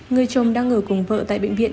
người chồng đang ở cùng vợ tại bệnh viện